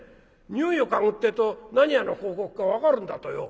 匂いを嗅ぐってえと何屋の広告か分かるんだとよ」。